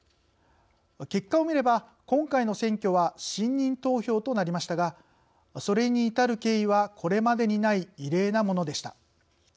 結果を見れば今回の選挙は信任投票となりましたがそれに至る経緯はこれまでにない異例なものでした。